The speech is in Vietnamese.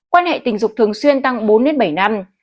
quan hệ tình dục thường xuyên tăng bốn bảy năm